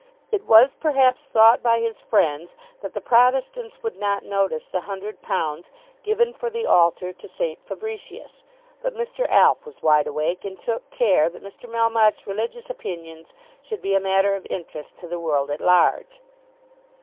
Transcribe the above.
It was perhaps thought by his friends that the Protestants would not notice the £100 given for the altar to St. Fabricius; but Mr. Alf was wide awake, and took care that Mr. Melmotte's religious opinions should be a matter of interest to the world at large.